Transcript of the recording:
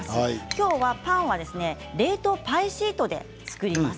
今日は冷凍パイシートで作ります。